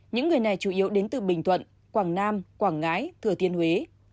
những người này chủ yếu đến từ bình thuận quảng nam quảng ngãi thừa thiên huế